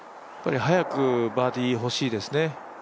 早くバーディー欲しいですね。